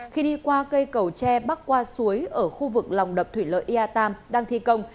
khi đi qua cây cầu tre bắc qua suối ở khu vực lòng đập thủy lợi ia tam đang thi công